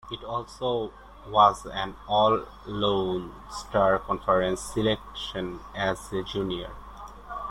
He also was an All-Lone Star Conference selection as a junior.